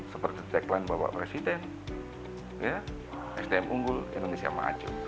seperti tagline bapak presiden sdm unggul indonesia maju